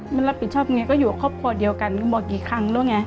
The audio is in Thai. มันรับผิดชอบไงก็อยู่กับครอบครัวเดียวกันก็บอกกี่ครั้งแล้วไง